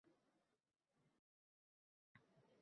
Harbiy "Qor bobo"lardan sovg‘a